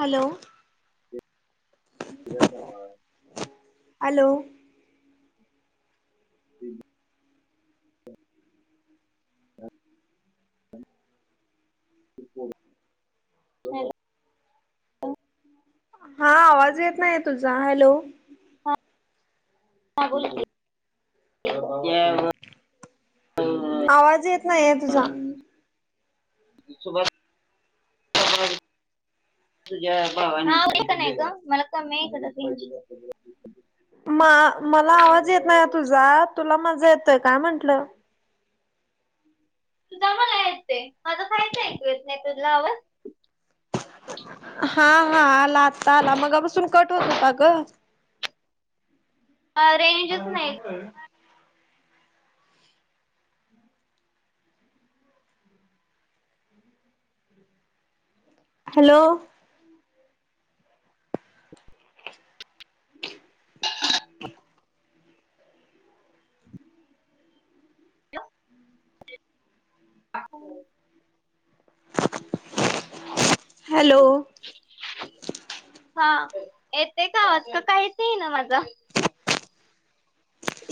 Hello. तय [unintelligible] hello. हम् ह हलो. हा आवाज येत नाही तुझा हॅलो. हा बोल की. आवाज येत नाही आहे तुझा. सुब [unintelligible] मला कमी आहे ईकडे रेंज [unintelligible] म मला आवाज येत नाही तुझा तुला माझा येतोय काय म्हटलं. तुझा मला येतोय माझा काहीच ऐकू येत नाही तुला आवाज. हा हा आला आता आला मगापसून कट होत होता ग. रेंजच नाही. ह. हॅलो. [unintelligible] अ. हॅलो. हा येते का आवाज का काहीच आहे ना माझं.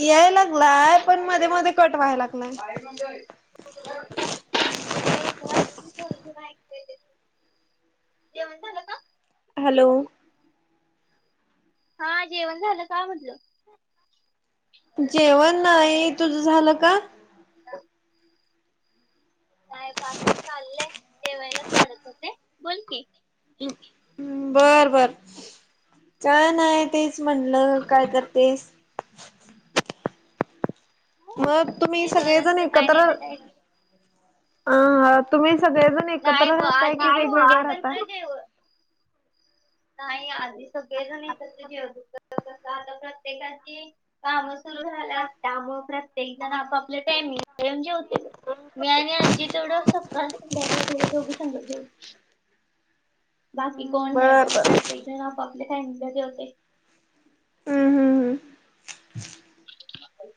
याय लागलाय पण मध्ये मध्ये कट व्हायला लागलाय. म्हणजे [unintelligible] जेवन झाल का? हॅलो. हा जेवण झालं का म्हनलं जेवण नाही तुझ झालं का? नाही बघ अजून चाललय जेवायला च वाढत होते बोल की. बर बर काय नाही ते म्हणलं काय करतेस? मग तुम्ही नाही सगळेजण दररोजच काय नाही एकत्र तर काय अ हा तुम्ही सगळेजण एकत्र नाही ब राहताय आधी की खूप वेगवेगळ राहता. एकत्र जेव नाही आधी सगळे जण एकत् जेवत होतो आता प्रत्येकाची काम सुरू झाला त्यामुळ प्रत्येक जण आपपले टामिंग जेवते. मी आणि आजी तेवढं सत दोघी सांगत जेवतो बाकी कोण नाही बर बर रस्. आपापले टायमिंग ला जेवते. हम्म हम्म हम्म.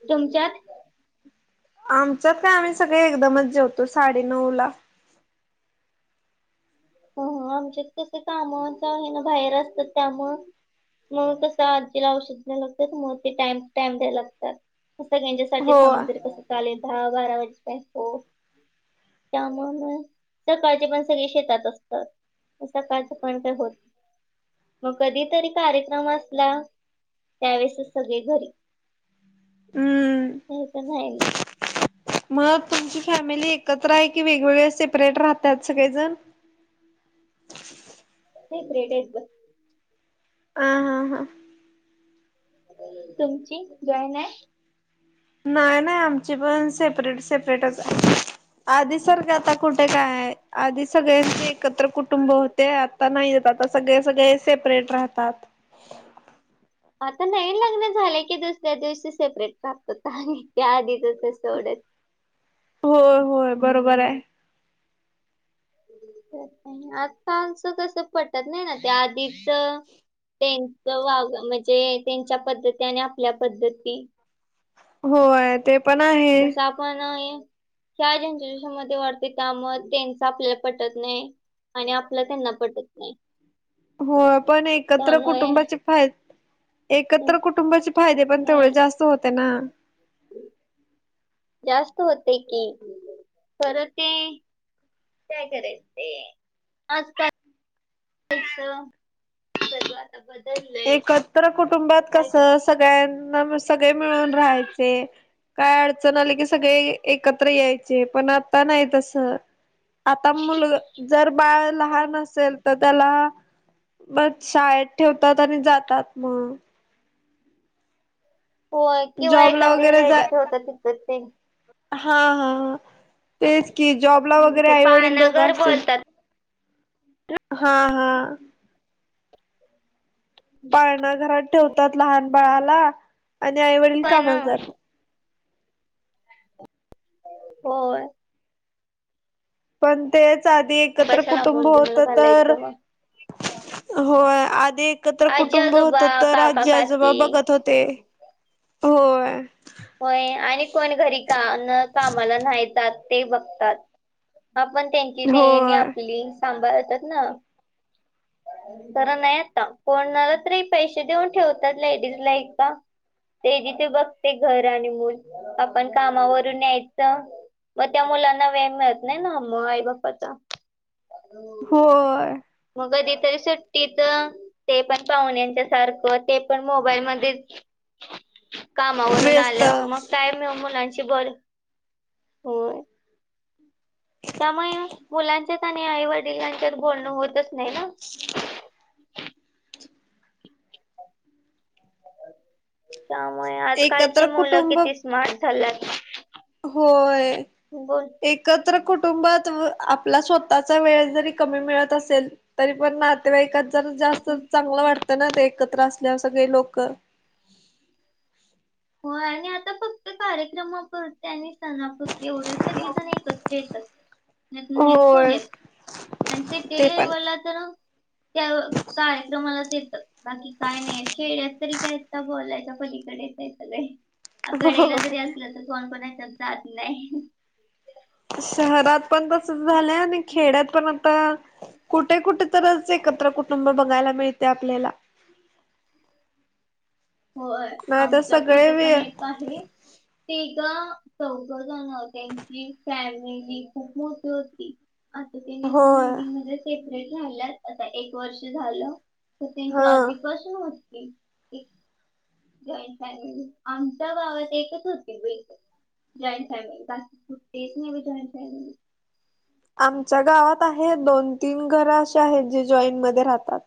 तुमच्यात? आमचत काय आम्ही सगळे एकदमच जेवतो साडे नऊ ला. आमच्या कस काम हे ना बाहेर असतात त्यामुळ मग कसं आजीला औषध लागत तर मग ते टाइम टू टाइम द्यायला लागतात. असं त्यांच्यासाठी हो थांबून तरी असं काले दहा बारा वाजेो. त्यामुळ मग सकाळचे पण सगळे शेतात असते. तर असं काच पण काय होत. मग कधीतरी कार्यक्रम असला. त्यावेेळेसच सगळे घरी हम्म नाही तर रा मग तुमची फॅमिली एकत्र आहे की वेगवेगळे सेपरेट राहतात सगळेजण ग्रेडेड बस. ह हां हां तुमची जॉयन आहे. नाही नाही आमची पण सेपरेट सेपरेटच आहे. आधी सारखं आता कुठे काय आधी सगळे एकत्र कुटुंब होते आता नाही येत आता सगळे सगळे सेपरेट राहतात. आता नाही लग्न झाले की दुसऱ्या दिवशी सेपरेट प्रप्त होत त्या आधीच सवडत हो होय बरोबर आहे. आता पाऊच कस पटत नाही ना ते आधीच वा म्हणजे त्यांच्या पद्धती आणि आपल्या पद्धती होय ते पण आहे. त्या जनरेशन म वाढते त्या म त्यां आपल्या पटत नाही आणि आपलं त्यांना पटत नाही. हो पण एकत्र त्यामुळे कुटुंबाची फ आहेत. हम्म, एकत्र कुटुंबाचे फायदे पण तेवढे हम्म, जास्त होते ना. जास्त होते कि खरं ते काय केल ते आजकाल च बवा एकत्र कुटुंबात काय कसं करायचं सगळ्यांना सगळे मिळून राहायचे. काय अडचण आली की सगळे एकत्र यायचे पण आता नाही तस. आता मुलग जर बाळ हम्म. लहान असेल तर त्याला म शाळेत. ठेवतात आणि जातात मग होय किंवा जॉबला एखाद्या वगैरे ल जा तिथे होतात ति ते हा हा तेच की जॉबला हम्म, वगैरे ते आईवडील दोघं पानागर असतील. बोलतात हा हा पाळणा घरात ठेवतात लहान बाळाला आणि आईवडील पण कामाला जातात. हो पण तेच आधी एकत्र कशाला कुटुंब मुलगी होत मला तर घालायचं मग होय आधी एकत्र आजी कुटुंब आजोबा होत तर काका काकी राज्याजोबा बघत होते. होय होय आणि कोण घरी का कामाला नाहीेतात. ते बघतात आपण त्यांची त्यानी होय आपली सांभाळतात ना जरा नाही आता कोणणाला तरी पैसे देऊन ठेवतात लेडीजला एकका. ते जिथे बघते घर आणि मल आपण कामावरून यायचं. मग त्या मुलांना व्यायाम मिळत नाही ना म आई बा्पाचा हो मग कधी तरी सुट्टी तर ते पण पाहुण्याच्या सारखं ते पण मोबाईल म कामावर ून व्यस्त आल्या मग काय मुलांची बर होय. त्यामुळे मुलांचेच आणि आई वडिलांचेच बोलणं होतच नाही. ना. ह त्यामुळे आजकालची एकत्र मुलं कुटुंब किती स्मार्ट झाल्यात. होय एक. बोल एकत्र कुटुंबात आपला स्वतःचा वेळ जरी कमी मिळत असेल. तरी पण नातेवाईकात जर जास्त हम्म. चांगलं वाटतं ना ते एकत्र असल्यावर सगळे लोक. हो आणि आता फक्त कार्यक्रमापरत आणि सणापुर एवढेच तर गीता नाही एकत्र येतात फोण होय येत. आणि ते तेवला त्या कार्यक्रमालाच येतात बाकी काय नाही खेळ तरी काय बोलायच्या पलीकडेच आहे सगळे हो कडेला जरी असलं तर कोण कोणा जात नाही. शहरात पण तसच झालं आणि खेड्यात पण आता कुठे कुठे तरच एकत्र कुटुंब बघायला मिळते आपल्याला हो नाही तर आमच सगळे इथं वे पण एक आहे. तेग चौघ जाण त्यांची फॅमिली खूप मोठी होती. आ का नाही अस नाही होय मी म्हणजे सेपरेट राहिला आता एक वर्ष झालं. तर हा त्यांच्या आधी कसून होटते. आमच्या गावात एकच होती. जॉईंट फॅमिली बाकीुट्टीच जॉईंट फॅमिली आमच्या गावात आहे दोन तीन घर अे आहेत जे जॉईंटमध्येध्ये राहतात.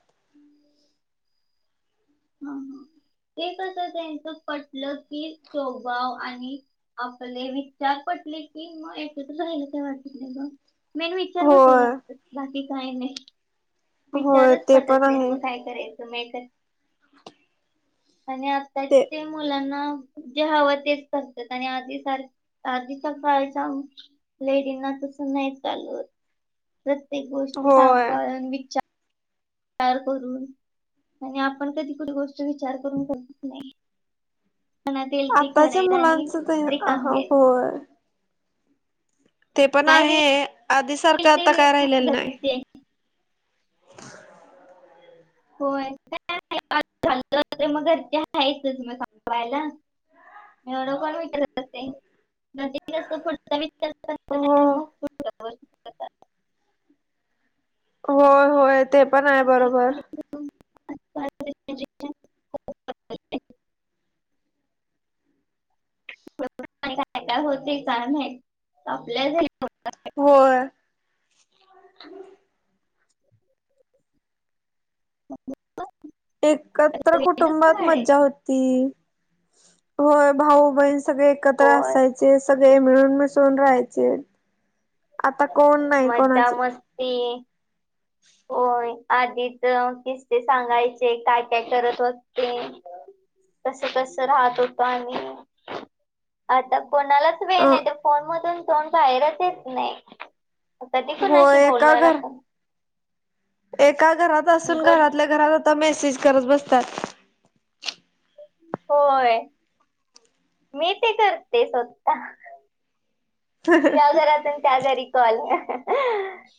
ह ह ते कस त्यांच पटलं की टोभाव आणि आपले विचार पटले की मग एकत राहिला का वाटत नाही. मीन विचारवटायला होय लागत बाकी काय नाही होय विचारच ते पण पटत नाही आहे मग काय? यच मत आणि आता ते मुलांना जे हवं तेच करतात आणि आधी सारख आधीच्या काळच्या लेडीना तस नाही चाल प्रत्येक गोष्ट होय सांभाळून विचार तर करून आणि आपण कधी कुठ गोष्ट विचार करून समत नाही. मनात येईल ती आताच्या करायचं आणि मुलांच ते रिकाम व्ह्याच. होय ते पण काय आहे आधी सारखं होईल ते आता काय होईल राहिलेलं नाही. घरचे होय का चा मर तेचच मग सांगवायला. एवढं कोण विचारत असेल. नं पुुढ हो व मग करतात. होय होय ते पण आहे मग बरोबर. इकडे तिकडे [unintelligible] झालंय. का होते कारण आपल्या हो. [unintelligible] एकत्र वेळच कुटुंबात मज्जा काढायचं होती होय भाऊ बहि सगळे एकत्र होय असायचे सगळे मिळून मिसून राहायचे. आता कोण मज्जा मस्ती हम्. होय आधीचे किस्से सांगायचे काय काय करत होते. कसं कसं राहत होत आणि आता कोणालाच वेळ नाही [unintelligible] फोन मधून तोन बाहेरच येत नाही. कधी हो कोणाशी एका बोलणार घर आपण एका घरात असून बोल घरातल्या घरात तर मॅसेज करत बसस्तात. होय मी ते करते स्वतः त्या घरात आणि त्या घरी चल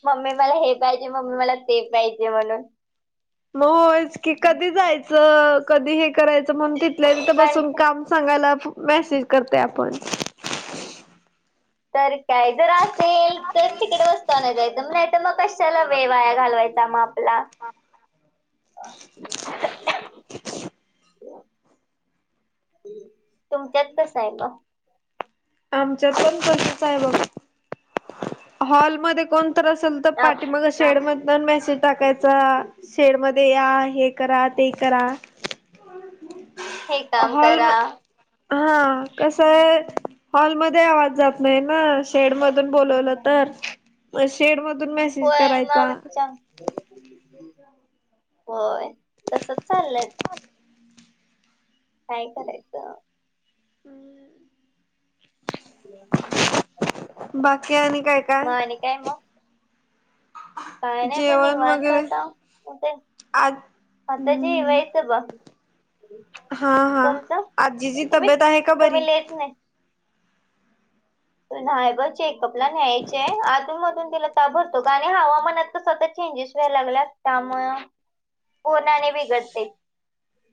मम्मी मला हे पाहिजे मम्मी मला ते पाहिजे म्हणून मग होयच की कधी जायचं कधी हे करायचं म्हण तिथल्यांत पण बसून काम सांगायला मेसेज करते आपण तर काय जर असेल तर तिकड बसत नाही जायचं नाही तर मग कशाला वे वाया घालवायचा माग हला. [inaudible] तुमच्यात कसं आहे ग आमच्यातन कधच आहे बघा हॉलमध्येध्ये कोणत असेल तर आप- पाठी मग शेड मधन मेसेज टाकायचा शेड मध्ये या हे करा ते करा हे काम ल करा हा कस आहे हॉलमध्ये आवाज जात नाही ना शेड मधून बोलवलं तर शेड मधून म होय मग च होय तसच चाललंय काय करायचं हम् बाकी आणि काय मग काय आणि काय मग काय नाही बग जेवण निवांत वगैरे आता आज आता हम्म जेवायचं बघ हा हा तुमच आजीची तुम्ही तब्येत आहे का तुम्ही बरी ललेच नाही नाही ब चेकअपला न्यायचेय आधूनमधून तिला भरतो आणि हवामानात तर स्वतः चेंजेस व्हायला लागल्यात त्यामु पोट आणि बिघडते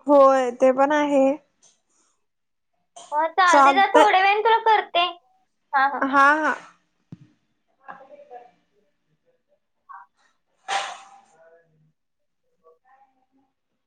होय ते पण आहे हो चालते तर चालतय थोड्या वेळण तुला करते हा हा हां हा